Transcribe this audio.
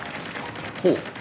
ほう。